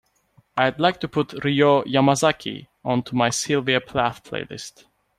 I'd like to put Ryō Yamazaki onto my sylvia plath playlist.